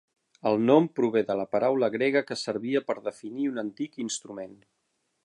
El nom prové de la paraula grega que servia per definir un antic instrument.